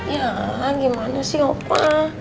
ya gimana sih opa